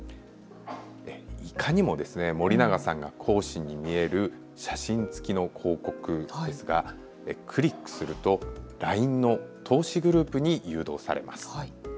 いかにも森永さんが講師に見える写真付きの広告ですがクリックするとＬＩＮＥの投資グループに誘導されます。